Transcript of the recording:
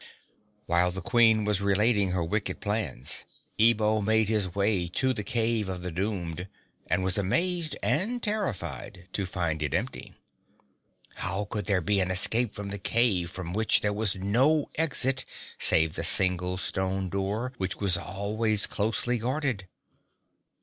While the Queen was relating her wicked plans, Ebo made his way to the Cave of the Doomed and was amazed and terrified to find it empty. How could there be an escape from the cave from which there was no exit save the single stone door which was always closely guarded?